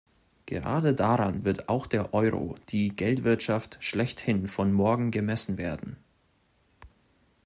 Gerade daran wird auch der Euro, die Geldwirtschaft schlechthin von morgen gemessen werden.